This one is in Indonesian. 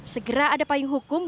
segera ada payung hukum